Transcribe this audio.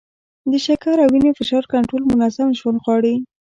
د شکر او وینې فشار کنټرول منظم ژوند غواړي.